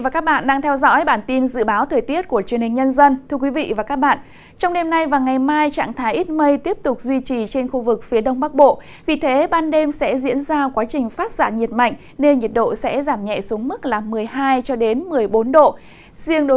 các bạn hãy đăng ký kênh để ủng hộ kênh của chúng mình nhé